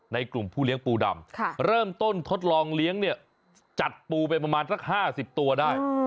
ในกลุ่มผู้เลี้ยงปูดำเริ่มต้นทดลองเลี้ยงเนี่ยจัดปูไปประมาณสัก๕๐ตัวได้